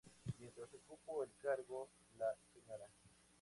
Mientras ocupó el cargo, la Sra.